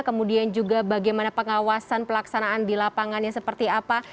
kemudian juga bagaimana pengawasan pelaksanaan di lapangannya seperti apa